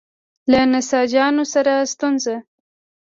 له نساجانو سره ستونزه.